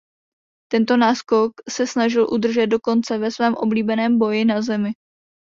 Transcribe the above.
Tento náskok se snažil udržet do konce ve svém oblíbeném boji na zemi.